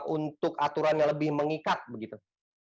untuk aturan yang lebih mengikat begitu